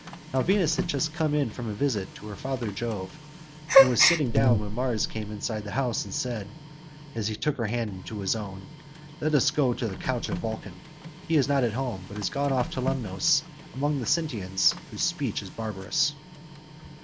Now Venus was just come in from a visit to her father Jove, and was about sitting down when Mars came inside the house, and said as he took her hand in his own, "Let us go to the couch of Vulcan: he is not at home, but is gone off to Lemnos among the Sintians, whose speech is barbarous."